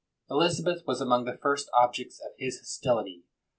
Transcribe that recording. Elizabeth was among the first objects of his hostility.